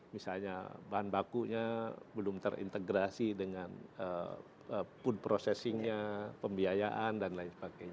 misalnya bahan bakunya belum terintegrasi dengan food processingnya pembiayaan dan lain sebagainya